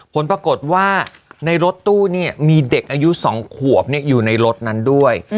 ผลปรากฏว่าในรถตู้มีเด็กอายุ๒ขวบอยู่ในรถนั้นด้วย